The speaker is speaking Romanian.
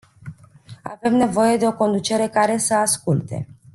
Avem nevoie de o conducere care să asculte.